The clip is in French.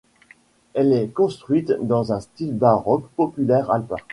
Elle est construite dans un style baroque populaire alpin.